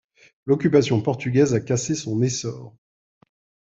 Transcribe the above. L'occupation portugaise a cassé son essor.